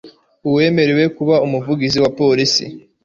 uwemerewe kuba umuvugizi wa police